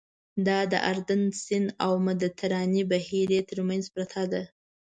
دا د اردن سیند او مدیترانې بحیرې تر منځ پرته ده.